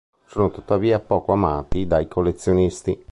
Sono tuttavia poco amati dai collezionisti.